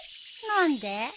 何で？